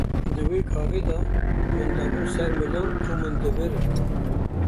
Di wê gavê de min dabûn ser milan û min dibirin.